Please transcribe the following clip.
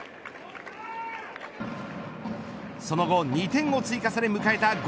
その後２点を追加され迎えた